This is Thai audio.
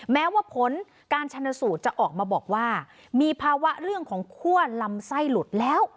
แม้ว่าผลการชนสูตรจะออกมาบอกว่ามีภาวะเรื่องของคั่วลำไส้หลุดแล้ว